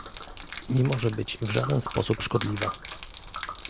Nie może być w żaden sposób szkodliwa